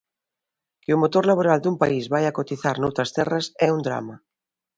Que o motor laboral dun país vaia cotizar noutras terras é un drama.